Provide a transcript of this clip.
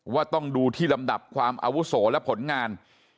ว่าต้องดูที่ลำดับความอาวุโสและผลงาน